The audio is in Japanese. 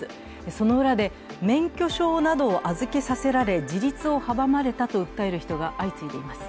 その裏で、免許証などを預けさせられ自立を阻まれたと訴える人が相次いでいます。